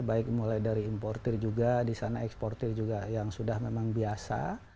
baik mulai dari importer juga di sana eksportir juga yang sudah memang biasa